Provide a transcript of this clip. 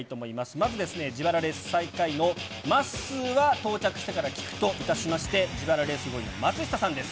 まずですね、自腹レース最下位のまっすーは到着してから聞くといたしまして、自腹レース５位の松下さんです。